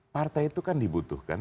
partai itu kan dibutuhkan